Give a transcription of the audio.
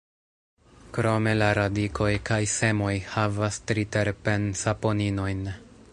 Krome la radikoj kaj semoj havas triterpen-saponinojn.